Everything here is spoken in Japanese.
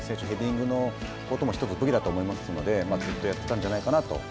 ヘディングのことも１つ武器だと思いますのでずっとやってたんじゃないかなと。